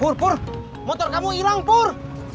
pur pur motor kamu hilang pur